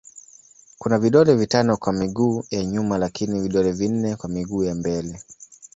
Kuna vidole vitano kwa miguu ya nyuma lakini vidole vinne kwa miguu ya mbele.